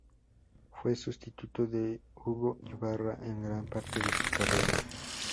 Fue sustituto de Hugo Ibarra en gran parte de su carrera.